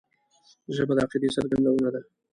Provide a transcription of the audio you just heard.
ژبه د عقیدې څرګندونه ده